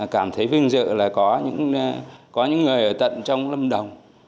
cảm thấy vinh dự là có những người ở tận trong lâm đồng